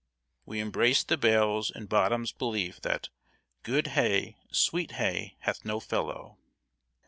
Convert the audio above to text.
We embraced the bales in Bottom's belief that "good hay, sweet hay hath no fellow."